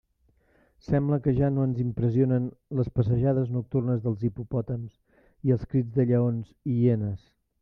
Sembla que ja no ens impressionen les passejades nocturnes dels hipopòtams i els crits de lleons i hienes.